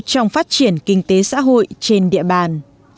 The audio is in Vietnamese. trong phát triển kinh tế xã hội trên địa bàn